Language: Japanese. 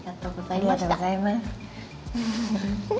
ありがとうございます。